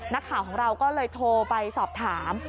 นักข่าวของเราก็เลยโทรไปสอบถาม